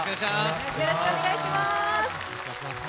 よろしくお願いします。